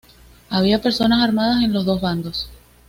Había personas armadas en los dos bandos.